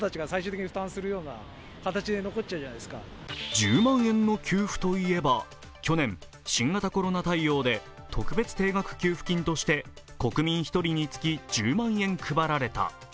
１０万円の給付といえば、去年、新型コロナ対応で特別定額給付金として国民１人につき１０万円が配られた。